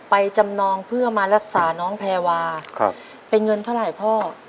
จำนองเพื่อมารักษาน้องแพรวาเป็นเงินเท่าไหร่พ่อ